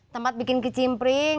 tempat bikin kecimpring